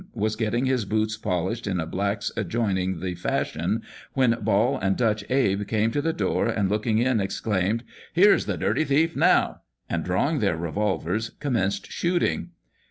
was getting his boots polished in a black's, adjoining the Fashion, when Ball and Dutch Abe came to the door, and looking in, exclaimed, ' Here's the dirty thief now !' and, drawing their revolvers, commenced shoot ing.